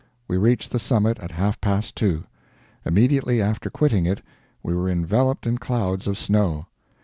We reached the summit at half past 2. Immediately after quitting it, we were enveloped in clouds of snow.